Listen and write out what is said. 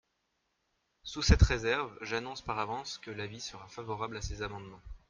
Sous cette réserve, j’annonce par avance que l’avis sera favorable à ces amendements.